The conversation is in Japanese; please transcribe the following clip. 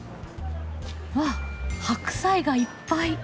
わあ白菜がいっぱい！